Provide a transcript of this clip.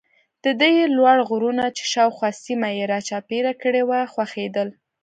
د ده یې لوړ غرونه چې شاوخوا سیمه یې را چاپېره کړې وه خوښېدل.